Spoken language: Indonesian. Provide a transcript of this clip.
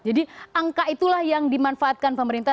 jadi angka itulah yang dimanfaatkan pemerintah